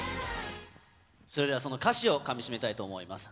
それでは、その歌詞をかみしめたいと思います。